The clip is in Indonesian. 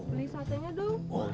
beli satunya dulu